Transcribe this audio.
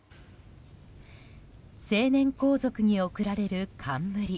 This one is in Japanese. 成年皇族に贈られる冠。